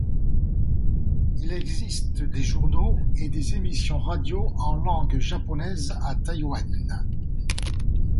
Il existe des journaux, et des émissions radio en langue Japonaise à Taïwan.